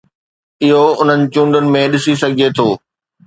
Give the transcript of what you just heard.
اهو انهن چونڊن ۾ ڏسي سگهجي ٿو.